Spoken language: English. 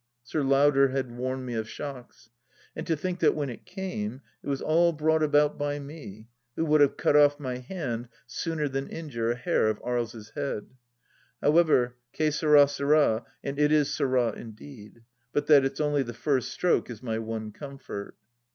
Sir Lauder had warned me of shocks 1 ... And to think that when it came, it was all brought about by me, who would have cut oft my hand sooner than injure a hair of Aries' head ! However, che sard sard, and it is sard indeed. ... But that it's only the first stroke is my one com fort.